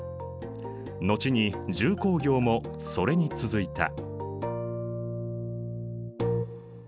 後に重工業もそれに続いた。